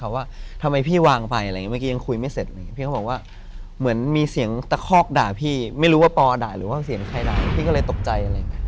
แล้วผมก็เลยมีทักฺรณ์ว่าเมื่อกี้จริงอย่างงี้